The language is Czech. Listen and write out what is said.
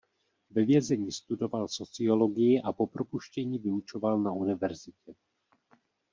Ve vězení studoval sociologii a po propuštění vyučoval na univerzitě.